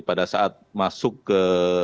pada saat masuk ke